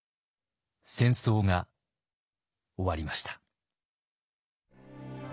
戦争が終わりました。